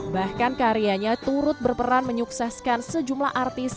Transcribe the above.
bahkan karyanya turut berperan menyukseskan sejumlah artis